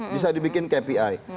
bisa dibikin kpi